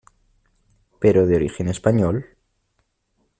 ¿ pero de origen español?